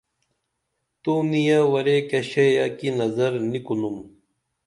تو نِیہ ورے کیہ شئیہ کی نظر نی کُنُم